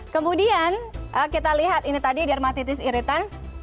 kemudian kita lihat ini tadi dermatitis iritan